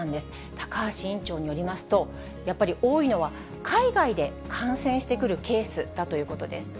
高橋院長によりますと、やっぱり多いのは海外で感染してくるケースだということです。